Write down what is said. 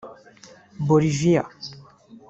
Bolivia